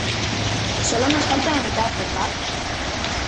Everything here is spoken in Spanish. Sólo nos falta la mitad, ¿verdad?